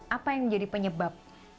apa yang menjadi penyebab